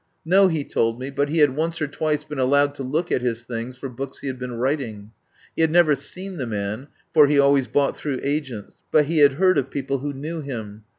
No, he told me, but he had once or twice been allowed to look at his things for books he had been writing. He had never seen the man, for he always bought through agents, but he had heard of people who knew him.